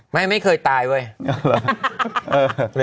ไม่ไม่เคยตายว่ะ